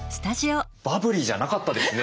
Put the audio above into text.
バブリーじゃなかったですね。